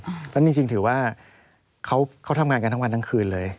เพราะฉะนั้นจริงถือว่าเขาทำงานกันทั้งวันทั้งคืนเลย